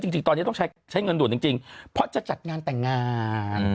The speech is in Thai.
จริงตอนนี้ต้องใช้เงินด่วนจริงเพราะจะจัดงานแต่งงาน